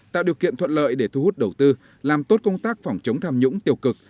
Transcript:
tạo điều kiện thuận lợi để thu hút đầu tư làm tốt công tác phòng chống tham nhũng tiêu cực